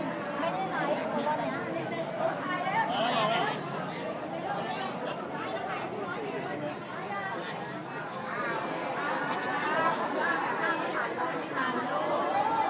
และที่อยู่ด้านหลังคุณยิ่งรักนะคะก็คือนางสาวคัตยาสวัสดีผลนะคะ